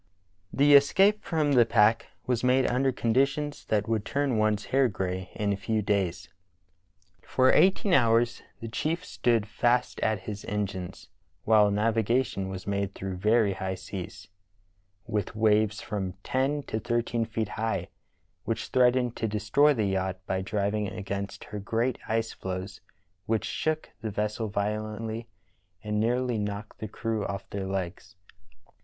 The escape from the pack was made under conditions that would turn one's hair gray in a few days. For eighteen hours the chief stood fast at his engines, while navigation was made through very high seas, with waves from ten to thirteen feet high, which threatened to destroy the yacht by driving against her great ice floes which shook the vessel violently and nearly knocked the crew off their legs.